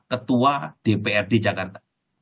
ketua dpr di jakarta